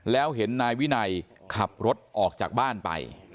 แล้วเห็นนายวินัยขับรถออกจากบ้านไป